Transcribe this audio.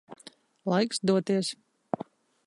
Laiks doties.